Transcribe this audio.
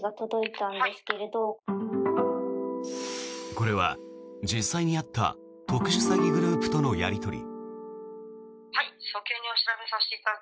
これは実際にあった特殊詐欺グループとのやり取り。